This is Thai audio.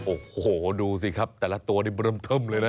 โอ้โหดูสิครับแต่ละตัวนี่เริ่มเทิมเลยนะ